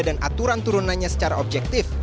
dan aturan turunannya secara objektif